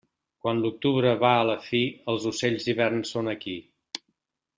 Quan l'octubre va a la fi, els ocells d'hivern són aquí.